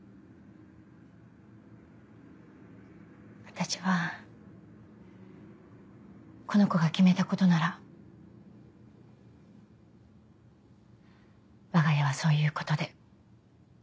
私はこの子が決めたことならわが家はそういうことで。